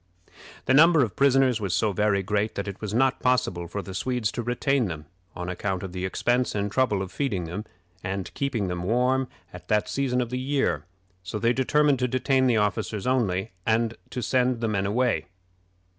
The number of prisoners was so very great that it was not possible for the Swedes to retain them, on account of the expense and trouble of feeding them, and keeping them warm at that season of the year; so they determined to detain the officers only, and to send the men away.